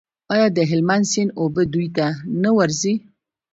آیا د هلمند سیند اوبه دوی ته نه ورځي؟